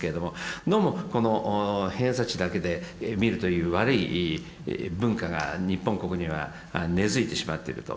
どうもこの偏差値だけで見るという悪い文化が日本国には根づいてしまってると。